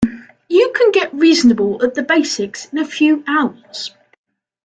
You can get reasonable at the basics in a few hours.